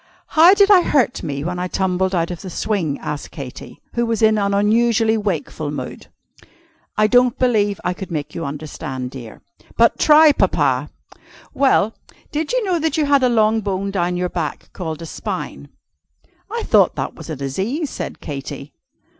"How did I hurt me when I tumbled out of the swing?" asked Katy, who was in an unusually wakeful mood. "I don't believe I could make you understand, dear." "But try, Papa!" "Well did you know that you had a long bone down your back, called a spine?" "I thought that was a disease," said Katy.